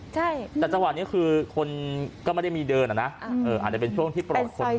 ใช่แต่จังหวะนี้คือคนก็ไม่ได้มีเดินอ่ะนะอาจจะเป็นช่วงที่ปลอดคน